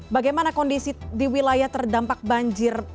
bagaimana kondisi di wilayah terdampak banjir